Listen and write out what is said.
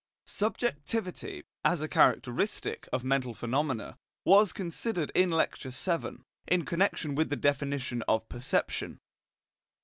Subjectivity, as a characteristic of mental phenomena, was considered in Lecture VII, in connection with the definition of perception.